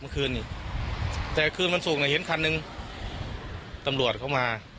เมื่อคืนนี้แต่คืนวันศุกร์เนี่ยเห็นคันหนึ่งตำรวจเขามา